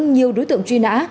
nhiều đối tượng truy nã